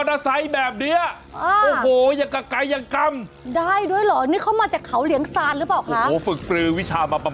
นี่หมดลงมากินนะครับ